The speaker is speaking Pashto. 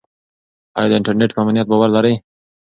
آیا ته د انټرنیټ په امنیت باور لرې؟